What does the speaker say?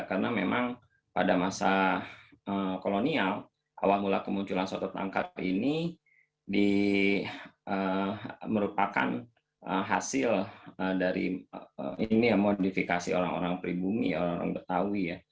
karena memang pada masa kolonial awal mula kemunculan soto tangkar ini merupakan hasil modifikasi orang orang pribumi orang orang betawi